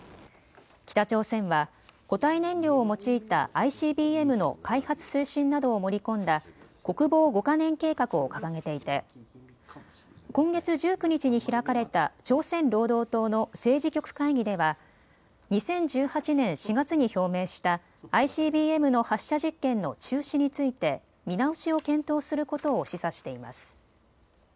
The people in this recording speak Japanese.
北朝鮮は固体燃料を用いたＩＣＢＭの開発推進などを盛り込んだ国防５か年計画を掲げていて今月１９日に開かれた朝鮮労働党の政治局会議では２０１８年４月に表明したＩＣＢＭの発射実験の中止について見直しを検討することを示唆しています。